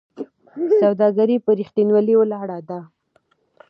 سوداګري په رښتینولۍ ولاړه ده.